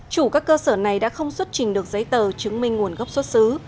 chủ các cơ sở này đã không xuất trình được giấy tờ chứng minh nguồn gốc xuất xứ